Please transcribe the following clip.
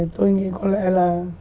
tôi nghĩ có lẽ là